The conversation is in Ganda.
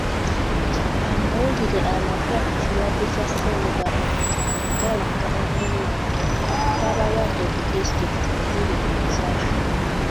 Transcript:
Amawulira amapya ku kirwadde kya ssennyiga omukambwe galaga okweyongera kw'abalwadde ku disitulikiti eziri ku nsalo.